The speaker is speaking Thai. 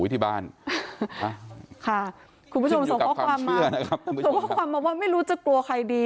วิทยาบาลค่ะคุณผู้ชมส่งข้อความว่าส่งข้อความว่าไม่รู้จะกลัวใครดี